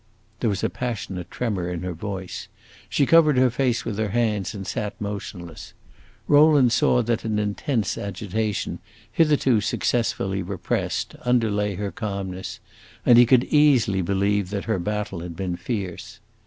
There was a passionate tremor in her voice; she covered her face with her hands and sat motionless. Rowland saw that an intense agitation, hitherto successfully repressed, underlay her calmness, and he could easily believe that her battle had been fierce.